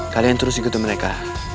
kalian terus ikuti mereka